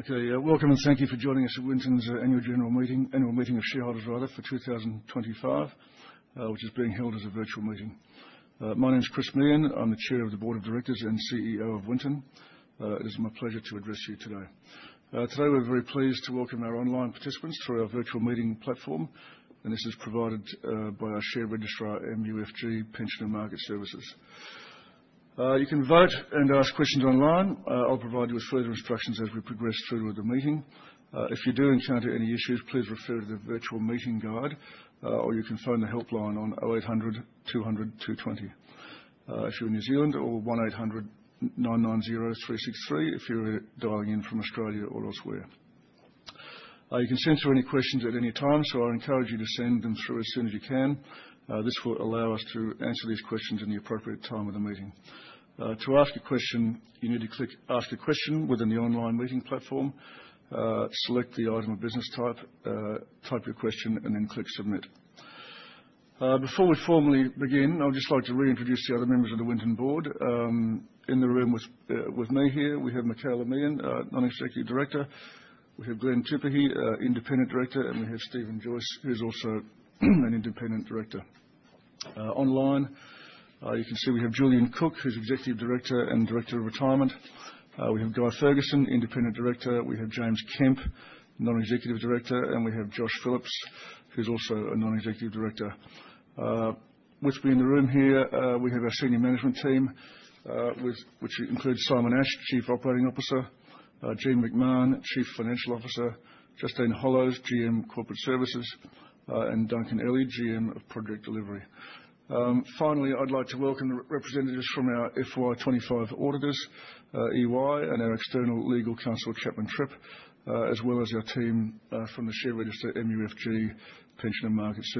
Okay. Welcome and thank you for joining us at Winton's Annual Meeting of Shareholders for 2025, which is being held as a virtual meeting. My name is Chris Meehan. I'm the Chair of the Board of Directors and CEO of Winton. It is my pleasure to address you today. Today, we're very pleased to welcome our online participants through our virtual meeting platform, and this is provided by our share registrar, MUFG Pension and Market Services. You can vote and ask questions online. I'll provide you with further instructions as we progress through the meeting. If you do encounter any issues, please refer to the virtual meeting guide, or you can phone the helpline on 0800 200 220 if you're in New Zealand, or 1800 990 363 if you're dialing in from Australia or elsewhere. You can send through any questions at any time, so I encourage you to send them through as soon as you can. This will allow us to answer these questions in the appropriate time of the meeting. To ask a question, you need to click Ask a Question within the online meeting platform, select the item of business type your question, and then click Submit. Before we formally begin, I would just like to reintroduce the other members of the Winton board. In the room with me here, we have Michaela Meehan, Non-Executive Director, we have Glen Tupuhi, Independent Director, and we have Steven Joyce, who's also an Independent Director. Online, you can see we have Julian Cook, who's Executive Director and Director of Retirement. We have Guy Fergusson, Independent Director, we have James Kemp, Non-Executive Director, and we have Josh Phillips, who's also a Non-Executive Director. With me in the room here, we have our senior management team which includes Simon Ash, Chief Operating Officer, Jean McMahon, Chief Financial Officer, Justine Hollows, GM Corporate Services, and Duncan Elley, GM of Project Delivery. Finally, I'd like to welcome representatives from our FY 2025 auditors, EY, and our external legal counsel, Chapman Tripp, as well as our team from the share register, MUFG Corporate Markets,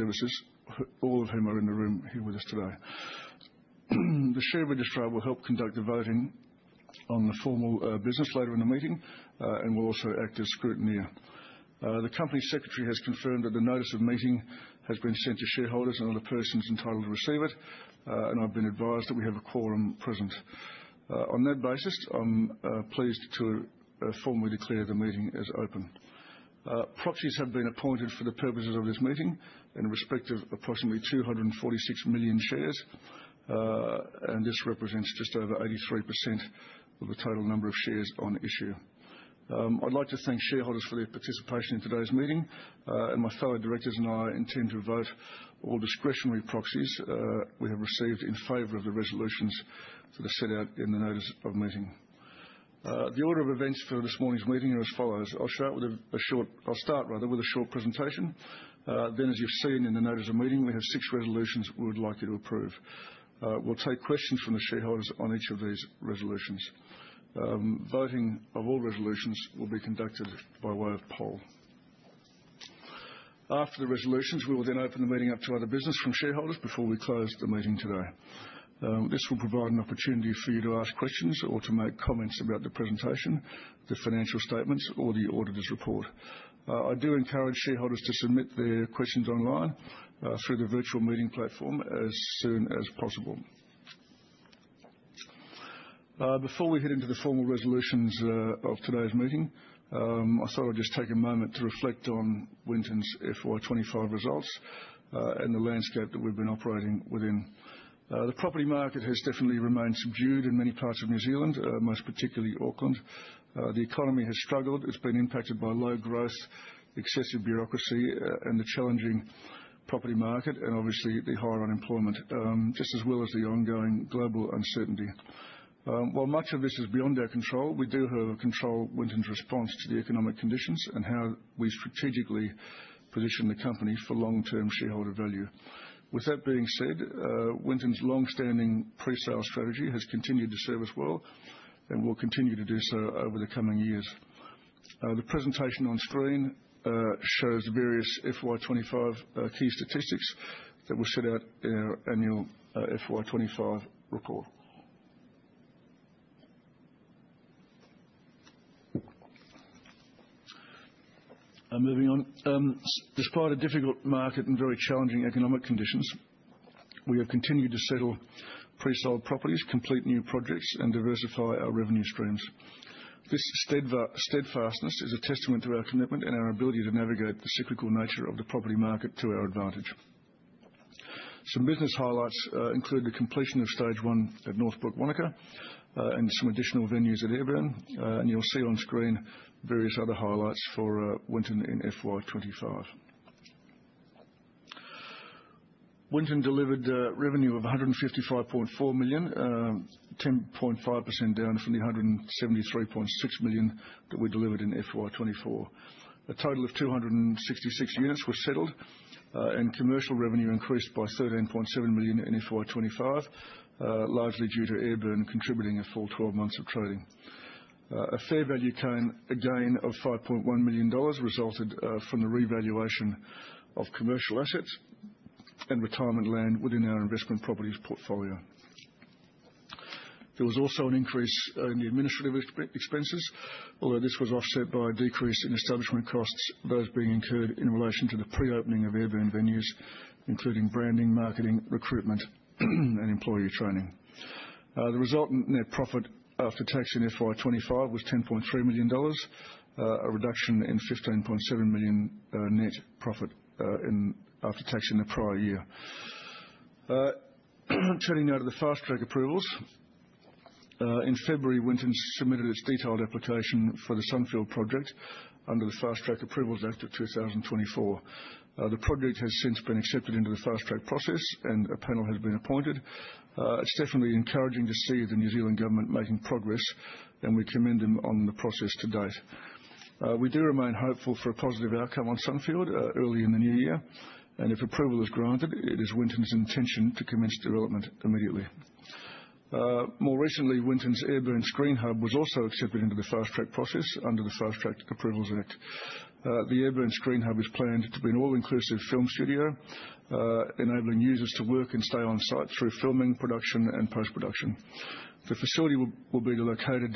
all of whom are in the room here with us today. The share registrar will help conduct the voting on the formal business later in the meeting and will also act as scrutineer. The company secretary has confirmed that the notice of meeting has been sent to shareholders and other persons entitled to receive it, and I've been advised that we have a quorum present. On that basis, I'm pleased to formally declare the meeting as open. Proxies have been appointed for the purposes of this meeting in respect of approximately 246 million shares, and this represents just over 83% of the total number of shares on issue. I'd like to thank shareholders for their participation in today's meeting, and my fellow directors and I intend to vote all discretionary proxies we have received in favor of the resolutions that are set out in the notice of meeting. The order of events for this morning's meeting are as follows. I'll start with a short presentation. As you've seen in the notice of meeting, we have six resolutions we would like you to approve. We'll take questions from the shareholders on each of these resolutions. Voting of all resolutions will be conducted by way of poll. After the resolutions, we will then open the meeting up to other business from shareholders before we close the meeting today. This will provide an opportunity for you to ask questions or to make comments about the presentation, the financial statements or the auditor's report. I do encourage shareholders to submit their questions online, through the virtual meeting platform as soon as possible. Before we head into the formal resolutions of today's meeting, I thought I'd just take a moment to reflect on Winton's FY 2025 results, and the landscape that we've been operating within. The property market has definitely remained subdued in many parts of New Zealand, most particularly Auckland. The economy has struggled. It's been impacted by low growth, excessive bureaucracy, and the challenging property market, and obviously the higher unemployment, just as well as the ongoing global uncertainty. While much of this is beyond our control, we do have control of Winton's response to the economic conditions and how we strategically position the company for long-term shareholder value. With that being said, Winton's long-standing presale strategy has continued to serve us well and will continue to do so over the coming years. The presentation on screen shows various FY 2025 key statistics that were set out in our annual FY 2025 report. Moving on. Despite a difficult market and very challenging economic conditions, we have continued to settle presold properties, complete new projects, and diversify our revenue streams. This steadfastness is a testament to our commitment and our ability to navigate the cyclical nature of the property market to our advantage. Some business highlights include the completion of stage 1 at Northbrook Wanaka and some additional venues at Ayrburn. You'll see on screen various other highlights for Winton in FY 2025. Winton delivered revenue of 155.4 million, 10.5% down from the 173.6 million that we delivered in FY 2024. A total of 266 units were settled, commercial revenue increased by 13.7 million in FY 2025, largely due to Ayrburn contributing a full 12 months of trading. A fair value gain of 5.1 million dollars resulted from the revaluation of commercial assets and retirement land within our investment properties portfolio. There was also an increase in the administrative expenses, although this was offset by a decrease in establishment costs, those being incurred in relation to the pre-opening of Ayrburn venues, including branding, marketing, recruitment, and employee training. The resultant net profit after tax in FY 2025 was 10.3 million dollars, a reduction in 15.7 million net profit after tax in the prior year. Turning now to the Fast-track Approvals. In February, Winton submitted its detailed application for the Sunfield project under the Fast-track Approvals Act 2024. The project has since been accepted into the fast track process, and a panel has been appointed. It's definitely encouraging to see the New Zealand government making progress, and we commend them on the process to date. We do remain hopeful for a positive outcome on Sunfield early in the new year, and if approval is granted, it is Winton's intention to commence development immediately. More recently, Winton's Ayrburn Screen Hub was also accepted into the fast track process under the Fast Track Approvals Act. The Ayrburn Screen Hub is planned to be an all-inclusive film studio, enabling users to work and stay on site through filming, production, and post-production. The facility will be located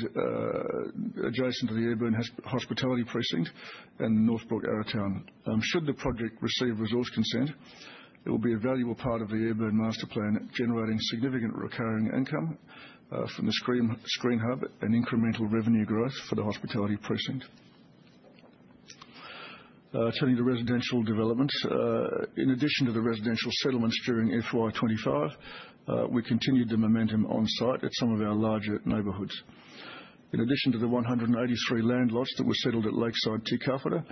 adjacent to the Ayrburn Hospitality Precinct in Northbrook Arrowtown. Should the project receive resource consent, it will be a valuable part of the Ayrburn master plan, generating significant recurring income from the Screen Hub and incremental revenue growth for the hospitality precinct. Turning to residential developments. In addition to the residential settlements during FY 2025, we continued the momentum on site at some of our larger neighborhoods. In addition to the 183 land lots that were settled at Lakeside Te Kauwhata,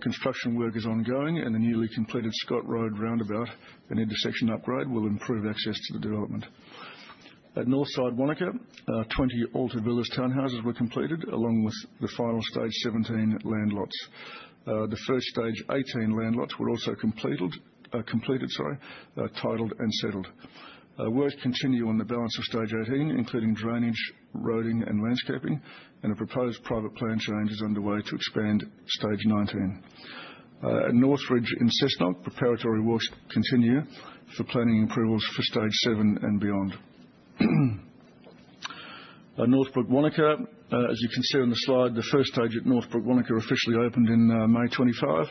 construction work is ongoing and the newly completed Scott Road roundabout and intersection upgrade will improve access to the development. At Northlake, 20 Alta Villas townhouses were completed, along with the final stage 17 land lots. The first stage 18 land lots were also completed, titled, and settled. Work continue on the balance of Stage 18, including drainage, roading, and landscaping, and a proposed private plan change is underway to expand Stage 19. At North Ridge in Cessnock, preparatory works continue for planning approvals for stage seven and beyond. At Northbrook Wanaka, as you can see on the slide, the first stage at Northbrook Wanaka officially opened in May 25,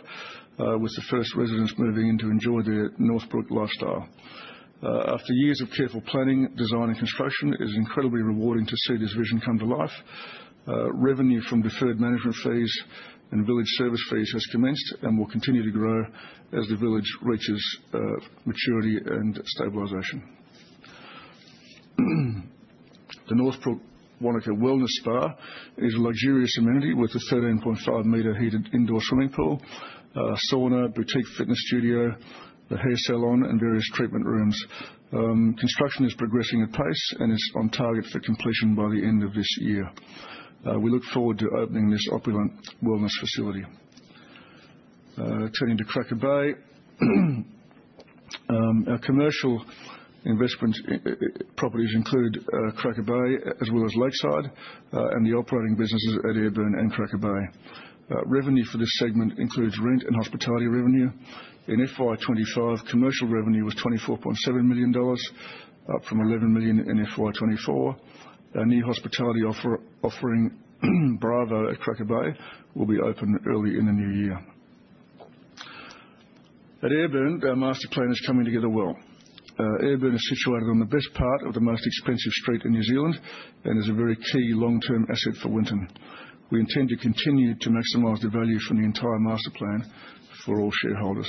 with the first residents moving in to enjoy their Northbrook lifestyle. After years of careful planning, design, and construction, it is incredibly rewarding to see this vision come to life. Revenue from deferred management fees and village service fees has commenced and will continue to grow as the village reaches maturity and stabilization. The Northbrook Wanaka Wellness Spa is a luxurious amenity with a 13.5 m heated indoor swimming pool, sauna, boutique fitness studio, the hair salon, and various treatment rooms. Construction is progressing apace and is on target for completion by the end of this year. We look forward to opening this opulent wellness facility. Turning to Cracker Bay. Our commercial investment properties include Cracker Bay as well as Lakeside and the operating businesses at Ayrburn and Cracker Bay. Revenue for this segment includes rent and hospitality revenue. In FY 2025, commercial revenue was 24.7 million dollars, up from 11 million in FY 2024. Our new hospitality offering, Bravo at Cracker Bay, will be open early in the new year. At Ayrburn, our master plan is coming together well. Ayrburn is situated on the best part of the most expensive street in New Zealand and is a very key long-term asset for Winton. We intend to continue to maximize the value from the entire master plan for all shareholders.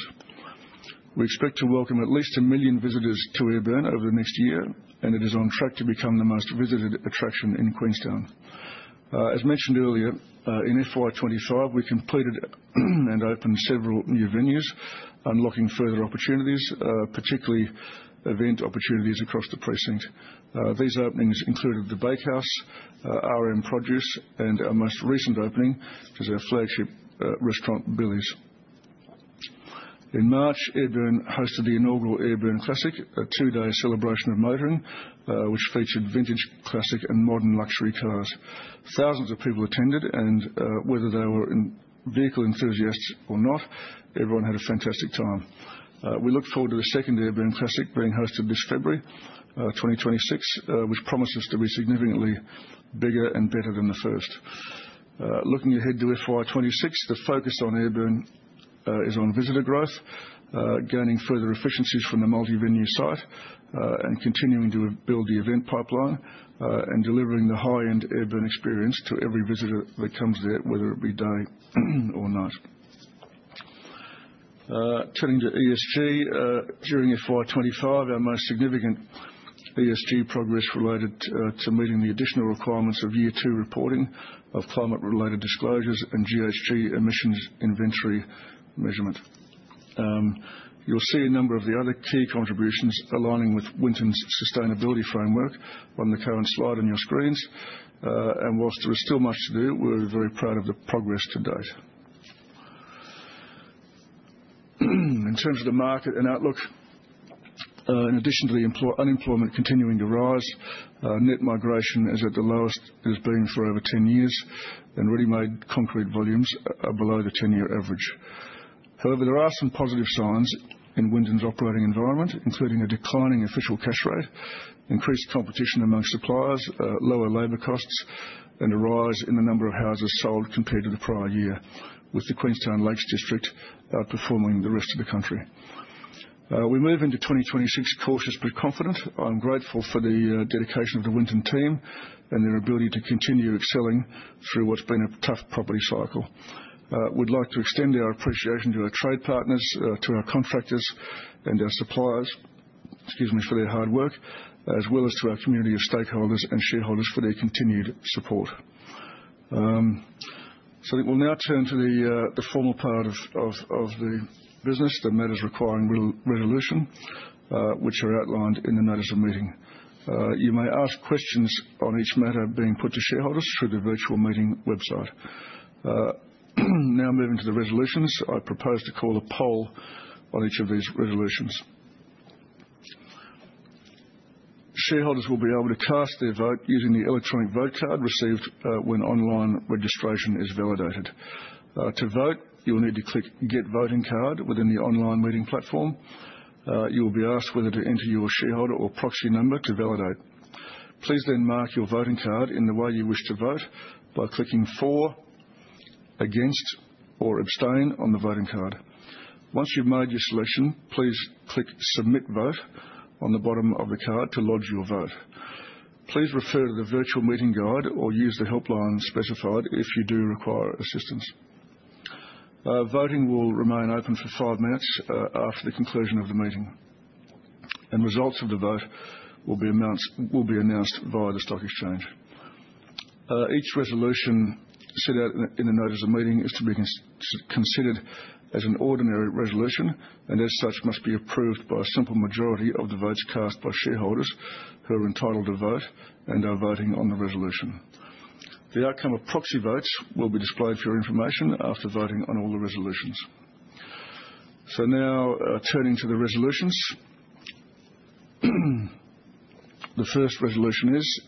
We expect to welcome at least 1 million visitors to Ayrburn over the next year, and it is on track to become the most visited attraction in Queenstown. As mentioned earlier, in FY 2025, we completed and opened several new venues, unlocking further opportunities, particularly event opportunities across the precinct. These openings included The Bakehouse, RM Produce, and our most recent opening, which is our flagship restaurant, Billy's. In March, Ayrburn hosted the inaugural Ayrburn Classic, a two-day celebration of motoring, which featured vintage classic and modern luxury cars. Thousands of people attended, whether they were vehicle enthusiasts or not, everyone had a fantastic time. We look forward to the second Ayrburn Classic being hosted this February 2026, which promises to be significantly bigger and better than the first. Looking ahead to FY 2026, the focus on Ayrburn is on visitor growth, gaining further efficiencies from the multi-venue site, and continuing to build the event pipeline, and delivering the high-end Ayrburn experience to every visitor that comes there, whether it be day or night. Turning to ESG. During FY 2025, our most significant ESG progress related to meeting the additional requirements of year two reporting of climate-related disclosures and GHG emissions inventory measurement. Whilst there is still much to do, we're very proud of the progress to date. In terms of the market and outlook, in addition to the unemployment continuing to rise, net migration is at the lowest it has been for over 10 years and ready-mix concrete volumes are below the 10-year average. However, there are some positive signs in Winton's operating environment, including a declining Official Cash Rate, increased competition among suppliers, lower labor costs, and a rise in the number of houses sold compared to the prior year, with the Queenstown Lakes District outperforming the rest of the country. We move into 2026 cautious but confident. I'm grateful for the dedication of the Winton team and their ability to continue excelling through what's been a tough property cycle. We'd like to extend our appreciation to our trade partners, to our contractors, and our suppliers for their hard work, as well as to our community of stakeholders and shareholders for their continued support. I think we'll now turn to the formal part of the business, the matters requiring resolution, which are outlined in the notice of meeting. You may ask questions on each matter being put to shareholders through the virtual meeting website. Now moving to the resolutions. I propose to call a poll on each of these resolutions. Shareholders will be able to cast their vote using the electronic vote card received when online registration is validated. To vote, you will need to click Get Voting Card within the online meeting platform. You will be asked whether to enter your shareholder or proxy number to validate. Please then mark your voting card in the way you wish to vote by clicking For, Against, or Abstain on the voting card. Once you've made your selection, please click Submit Vote on the bottom of the card to lodge your vote. Please refer to the virtual meeting guide or use the helpline specified if you do require assistance. Voting will remain open for five minutes after the conclusion of the meeting, and results of the vote will be announced via the stock exchange. Each resolution set out in the notice of meeting is to be considered as an ordinary resolution, and as such, must be approved by a simple majority of the votes cast by shareholders who are entitled to vote and are voting on the resolution. The outcome of proxy votes will be displayed for your information after voting on all the resolutions. Now, turning to the resolutions. The first resolution is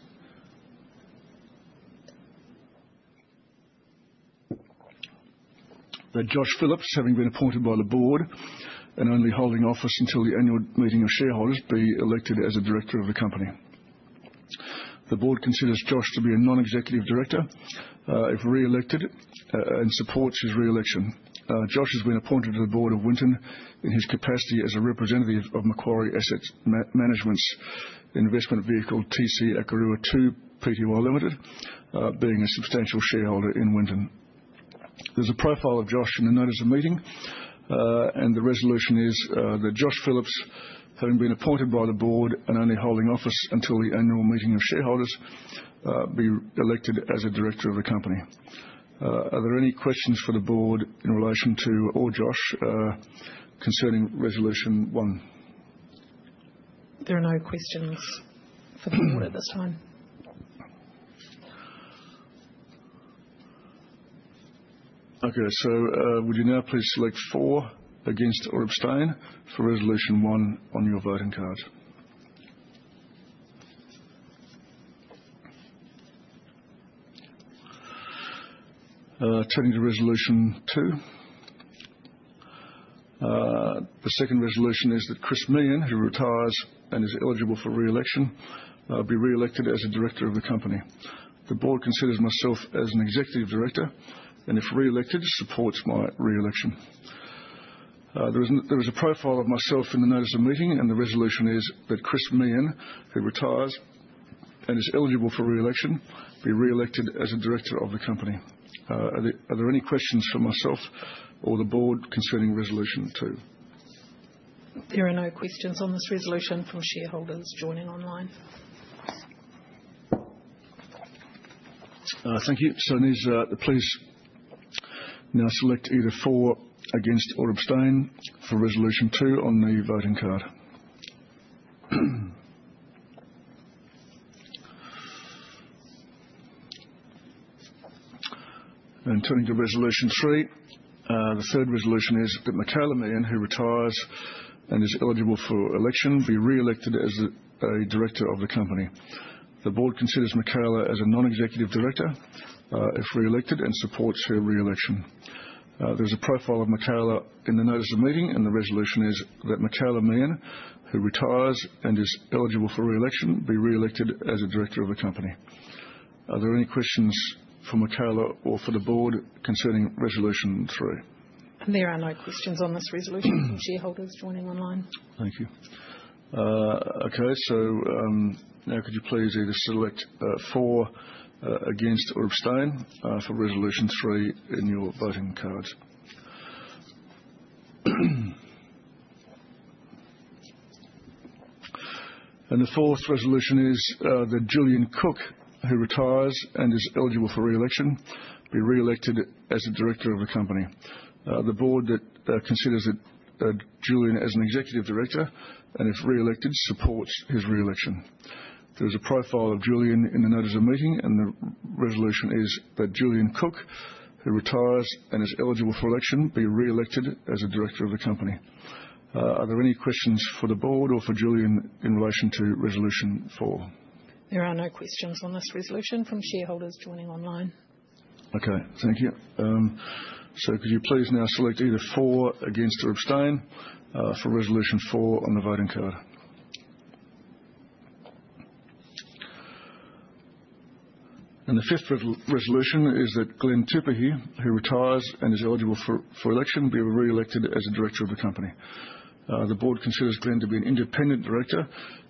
that Josh Phillips, having been appointed by the board and only holding office until the annual meeting of shareholders, be elected as a director of the company. The board considers Josh to be a non-executive director, if reelected, and supports his reelection. Josh has been appointed to the board of Winton in his capacity as a representative of Macquarie Asset Management's investment vehicle, TC Akarua 2 Pty Limited, being a substantial shareholder in Winton. There's a profile of Josh in the notice of meeting. The resolution is that Josh, having been appointed by the board and only holding office until the annual meeting of shareholders, be elected as a director of the company. Are there any questions for the board in relation to, or Josh, concerning resolution one? There are no questions for the board at this time. Okay. Would you now please select For, Against, or Abstain for resolution one on your voting card. Turning to resolution two. The second resolution is that Chris Meehan, who retires and is eligible for reelection, be reelected as a director of the company. The board considers myself as an executive director, and if reelected, supports my reelection. There is a profile of myself in the notice of meeting, and the resolution is that Chris Meehan, who retires and is eligible for reelection, be reelected as a director of the company. Are there any questions for myself or the board concerning resolution two? There are no questions on this resolution from shareholders joining online. Thank you. Please now select either For, Against, or Abstain for resolution two on the voting card. Turning to resolution three. The third resolution is that Michaela Meehan, who retires and is eligible for election, be reelected as a director of the company. The board considers Michaela as a non-executive director, if reelected, and supports her reelection. There's a profile of Michaela in the notice of meeting, and the resolution is that Michaela Meehan, who retires and is eligible for reelection, be reelected as a director of the company. Are there any questions for Michaela or for the board concerning resolution three? There are no questions on this resolution from shareholders joining online. Thank you. Okay, so now could you please either select For, Against, or Abstain for resolution three in your voting cards. The fourth resolution is that Julian Cook, who retires and is eligible for reelection, be reelected as a director of the company. The board considers Julian as an executive director, and if reelected, supports his reelection. There's a profile of Julian in the notice of meeting, and the resolution is that Julian Cook, who retires and is eligible for election, be reelected as a director of the company. Are there any questions for the board or for Julian in relation to resolution four? There are no questions on this resolution from shareholders joining online. Okay. Thank you. Could you please now select either for, against, or abstain for resolution four on the voting card. The fifth resolution is that Glen Tupuhi, who retires and is eligible for election, be reelected as a director of the company. The board considers Glen to be an independent director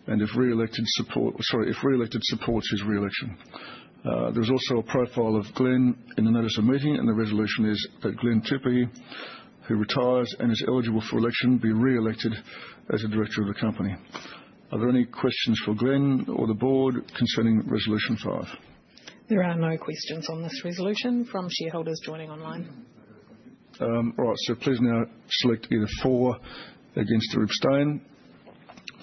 and if reelected, supports his reelection. There's also a profile of Glen in the notice of meeting, and the resolution is that Glen Tupuhi, who retires and is eligible for election, be reelected as a director of the company. Are there any questions for Glen or the board concerning resolution five? There are no questions on this resolution from shareholders joining online. All right. Please now select either for, against, or abstain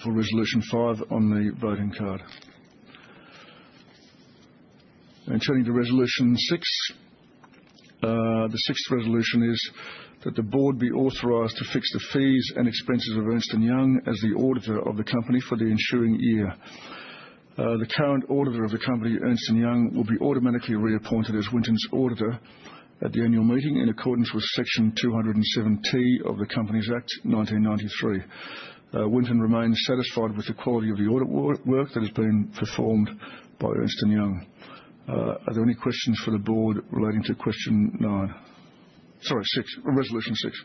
for resolution five on the voting card. Turning to resolution six. The sixth resolution is that the board be authorized to fix the fees and expenses of Ernst & Young as the auditor of the company for the ensuing year. The current auditor of the company, Ernst & Young, will be automatically reappointed as Winton's auditor at the annual meeting in accordance with Section 207T of the Companies Act 1993. Winton remains satisfied with the quality of the audit work that has been performed by Ernst & Young. Are there any questions for the board relating to question nine? Sorry, six. Resolution six.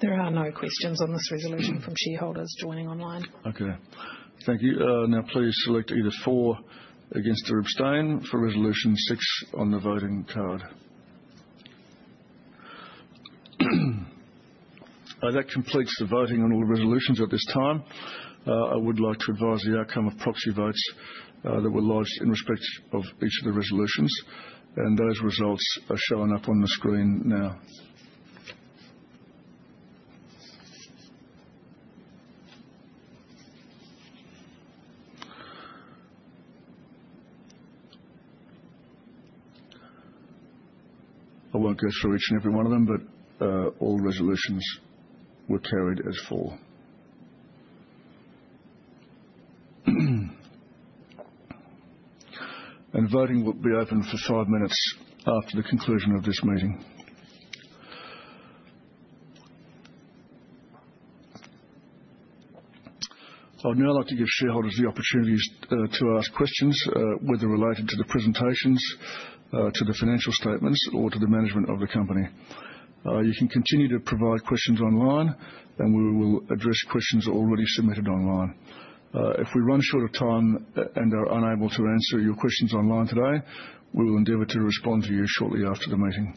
There are no questions on this resolution from shareholders joining online. Okay. Thank you. Now please select either for, against, or abstain for resolution six on the voting card. That completes the voting on all resolutions at this time. I would like to advise the outcome of proxy votes that were lodged in respect of each of the resolutions, and those results are showing up on the screen now. I won't go through each and every one of them, but all resolutions were carried as before. Voting will be open for five minutes after the conclusion of this meeting. I'd now like to give shareholders the opportunity to ask questions, whether related to the presentations, to the financial statements, or to the management of the company. You can continue to provide questions online, and we will address questions already submitted online. If we run short of time and are unable to answer your questions online today, we will endeavor to respond to you shortly after the meeting.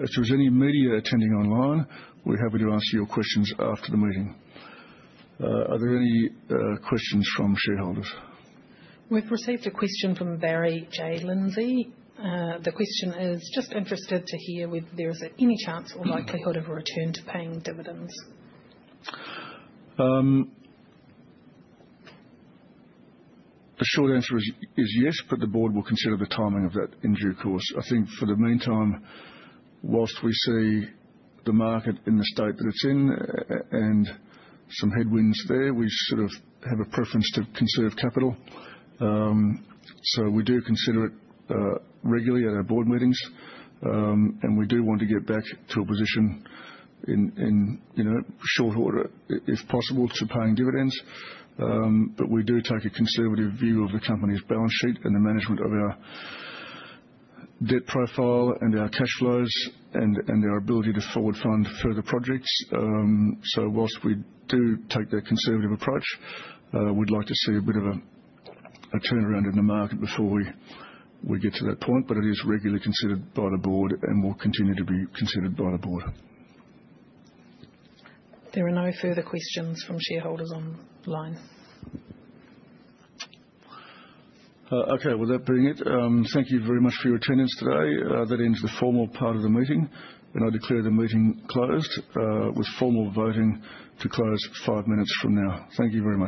If there's any media attending online, we're happy to answer your questions after the meeting. Are there any questions from shareholders? We've received a question from Barry J. Lindsay. The question is: "Just interested to hear whether there is any chance or likelihood of a return to paying dividends. The short answer is yes, but the board will consider the timing of that in due course. I think for the meantime, whilst we see the market in the state that it's in and some headwinds there, we sort of have a preference to conserve capital. We do consider it regularly at our board meetings. We do want to get back to a position in short order, if possible, to paying dividends. We do take a conservative view of the company's balance sheet and the management of our debt profile and our cash flows and our ability to forward fund further projects. Whilst we do take that conservative approach, we'd like to see a bit of a turnaround in the market before we get to that point. It is regularly considered by the board and will continue to be considered by the board. There are no further questions from shareholders online. Okay. With that being it, thank you very much for your attendance today. That ends the formal part of the meeting, and I declare the meeting closed, with formal voting to close five minutes from now. Thank you very much